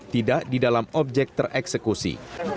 tidak di dalam objek tereksekusi